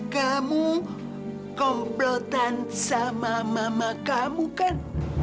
kamu komplotan sama mama kamu kan